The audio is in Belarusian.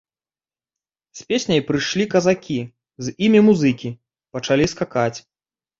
З песняй прыйшлі казакі, з імі музыкі, пачалі скакаць.